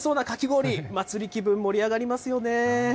おいしそうなかき氷、祭り気分、盛り上がりますよね。